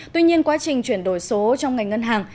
tuy nhiên quá trình chuyển đổi số trong ngành ngân hàng